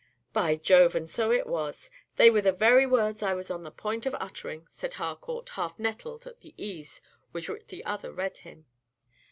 "By Jove, and so it was! They were the very words I was on the point of uttering," said Harcourt, half nettled at the ease with which the other read him.